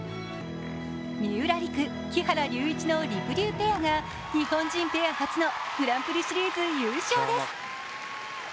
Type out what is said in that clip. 三浦璃来、木原龍一のりくりゅうペアが日本人ペア初のグランプリシリーズ優勝です。